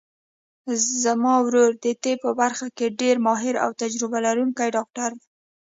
زما ورور د طب په برخه کې ډېر ماهر او تجربه لرونکی ډاکټر ده